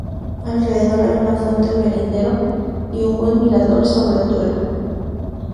Alrededor hay una fuente, merendero y un buen mirador sobre el Duero.